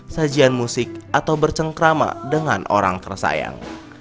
sajian musik atau bercengkrama dengan orang tersayang